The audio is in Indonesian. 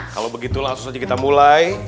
kalau begitu langsung saja kita mulai